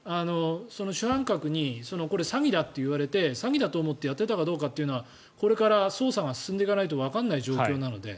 主犯格にこれ詐欺だと言われて詐欺だと思ってやっていたかどうかはこれから捜査が進んでいかないとわからない状況なので。